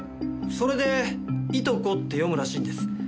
それで紀子って読むらしいんです。